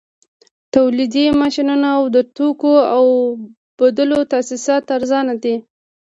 تولیدي ماشینونه او د ټوکر اوبدلو تاسیسات ارزانه دي